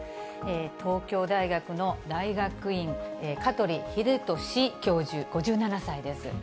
東京大学の大学院、香取秀俊教授５７歳です。